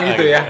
kan gitu ya